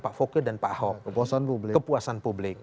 pak foke dan pak ahok kepuasan publik